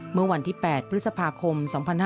เมื่อวันที่๘พฤษภาคม๒๕๕๙